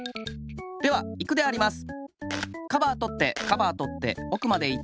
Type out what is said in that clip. ではいくであります。